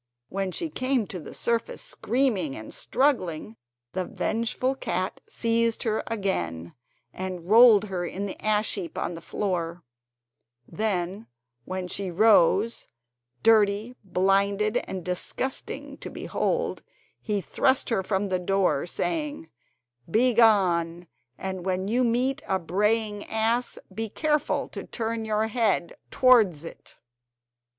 When she came to the surface screaming and struggling, the vengeful cat seized her again and rolled her in the ash heap on the floor; then when she rose, dirty, blinded, and disgusting to behold, he thrust her from the door, saying: "Begone, and when you meet a braying ass be careful to turn your head towards it."